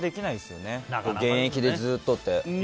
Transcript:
現役でずっとって。